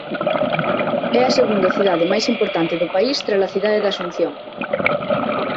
É a segunda cidade máis importante do país trala cidade de Asunción.